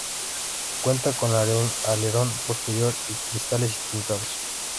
Cuenta con alerón posterior y cristales tintados.